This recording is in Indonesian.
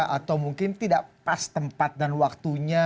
atau mungkin tidak pas tempat dan waktunya